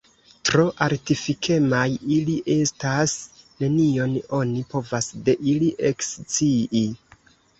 Tro artifikemaj ili estas, nenion oni povas de ili ekscii.